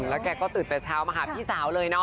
แล้วแกก็ตื่นแต่เช้ามาหาพี่สาวเลยเนาะ